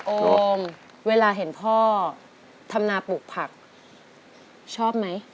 โอมเวลาเห็นพ่อทำนาปลูกผักชอบไหม